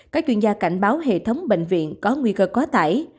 các chuyên gia cảnh báo hệ thống bệnh viện có nguy cơ quá tải